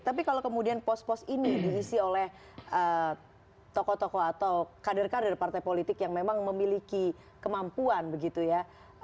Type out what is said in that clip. tapi kalau kemudian pos pos ini diisi oleh tokoh tokoh atau kader kader partai politik yang memang memiliki kemampuan begitu ya